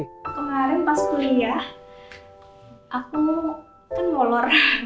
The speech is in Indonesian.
kemarin pas kuliah aku kan ngolor